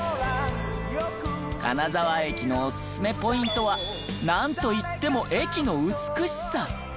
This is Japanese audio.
金沢駅のオススメポイントはなんといっても駅の美しさ。